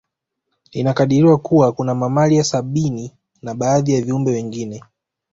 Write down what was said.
Inakadiriwa Kuwa kuna mamalia sabini na baadhi ya viumbe wengine